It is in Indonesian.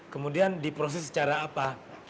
kemudian diproses secara apa